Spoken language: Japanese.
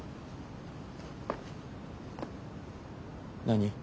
何？